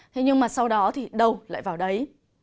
thế nhưng sau đó thì đâu lại vào đấy